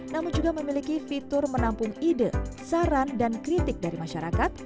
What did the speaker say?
namun juga memiliki fitur menampung ide saran dan kritik dari masyarakat